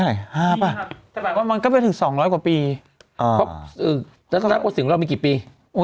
สมัยว่ามันก็ไม่ถึง๒๐๐กว่าปีแล้วถึงเรามีกี่ปี